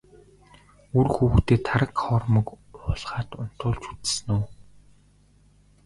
Үр хүүхдээ тараг хоормог уулгаад унтуулж үзсэн үү?